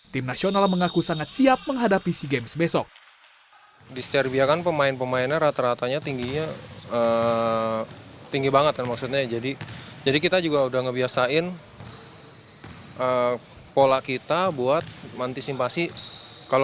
tim nasional mengaku sangat siap menghadapi sea games besok